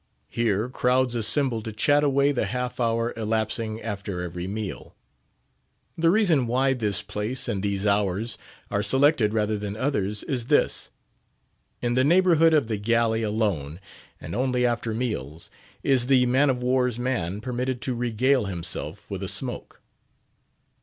Here crowds assemble to chat away the half hour elapsing after every meal. The reason why this place and these hours are selected rather than others is this: in the neighbourhood of the galley alone, and only after meals, is the man of war's man permitted to regale himself with a smoke.